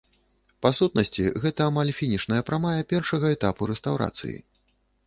Па сутнасці, гэта амаль фінішная прамая першага этапу рэстаўрацыі.